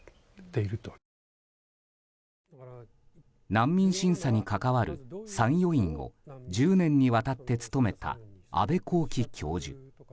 難民審査に関わる参与員を１０年にわたって務めた阿部浩己教授。